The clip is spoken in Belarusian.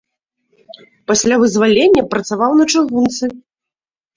Пасля вызвалення працаваў на чыгунцы.